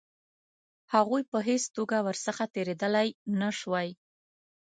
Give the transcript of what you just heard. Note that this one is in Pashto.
هغوی په هېڅ توګه ورڅخه تېرېدلای نه شوای.